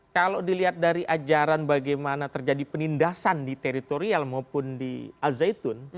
kalau dilihat dari ajaran bagaimana terjadi penindasan di teritorial maupun di al zaitun